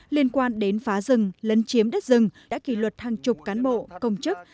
liên quan đến phá rừng lấn chiếm đất rừng đã kỷ luật hàng chục cán bộ công chức